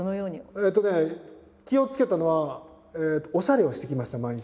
えっとね気をつけたのはおしゃれをして行きました毎日。